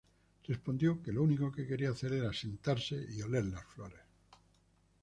Respondió que lo único que quería hacer era sentarse y oler las flores.